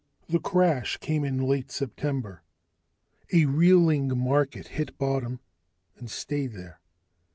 The crash came in late September: a reeling market hit bottom and stayed there.